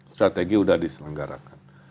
strategi sudah diselenggarakan